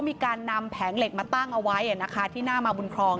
มีการนำแผงเหล็กมาตั้งเอาไว้ที่หน้ามาบุญครอง